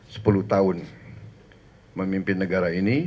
sepuluh tahun memimpin negara ini